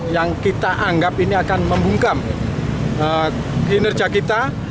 yang kita anggap ini akan membungkam kinerja kita